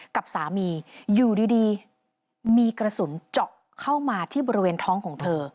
กับสามีอยู่ดีมีกระสุนเจาะเข้ามาที่บริเวณท้องของเธอ